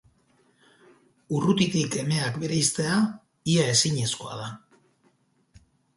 Urrutitik emeak bereiztea ia ezinezkoa da.